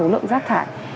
lượng rác thải